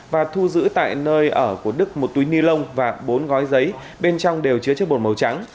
và thu giữ tại nơi ở của đức một túi nilon và bốn gói giấy bên trong đều chứa chất hồn màu trắng